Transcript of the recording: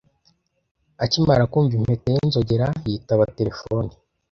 Akimara kumva impeta y'inzogera, yitaba telefoni.